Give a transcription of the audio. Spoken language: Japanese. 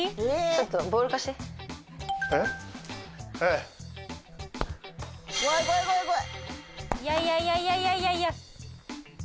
いやいやいやいやいや。